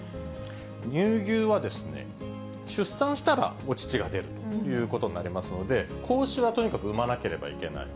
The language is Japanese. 乳牛は出産したらお乳が出るということになりますので、子牛はとにかく産まなければいけない。